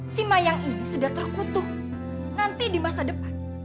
si mayang ini sudah terkutuk nanti di masa depan